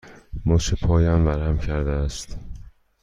مچ پایم ورم کرده است.